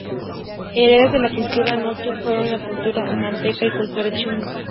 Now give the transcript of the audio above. Herederas de la cultura moche fueron la cultura lambayeque y la cultura chimú.